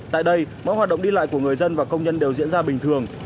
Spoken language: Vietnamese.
tại đây mọi hoạt động đi lại của người dân và công nhân đều diễn ra bình thường